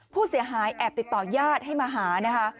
ผู้เสียหายแอบติดต่อญาติให้มาหานะคะ